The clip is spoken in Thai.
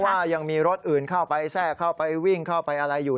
ว่ายังมีรถอื่นเข้าไปแทรกเข้าไปวิ่งเข้าไปอะไรอยู่